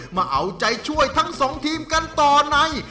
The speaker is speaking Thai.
มาเอาใจช่วยทั้งสองทีมกันต่อใน